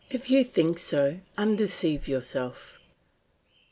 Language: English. If you think so, undeceive yourself.